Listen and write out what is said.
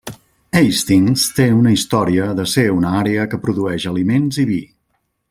Hastings té una història de ser una àrea que produeix aliments i vi.